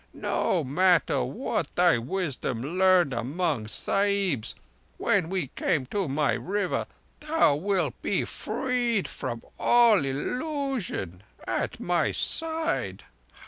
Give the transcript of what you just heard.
No matter what thy wisdom learned among Sahibs, when we come to my River thou wilt be freed from all illusion—at my side.